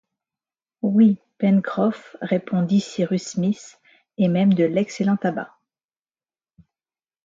Oui, Pencroff, répondit Cyrus Smith, et même de l’excellent tabac!